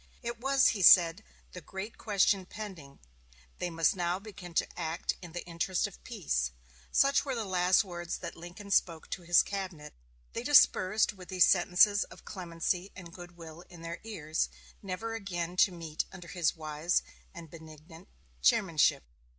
It was, he said, the great question pending they must now begin to act in the interest of peace. Such were the last words that Lincoln spoke to his cabinet. They dispersed with these sentences of clemency and good will in their ears, never again to meet under his wise and benignant chairmanship.